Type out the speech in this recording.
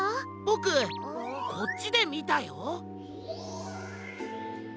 ボクこっちでみたよ！